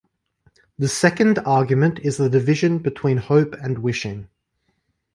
The second argument is the division between hope and wishing.